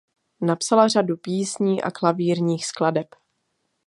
Napsala řadu písní a klavírních skladeb.